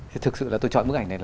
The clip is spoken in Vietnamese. thì thực sự là tôi chọn bức ảnh này